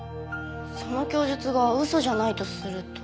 その供述が嘘じゃないとすると。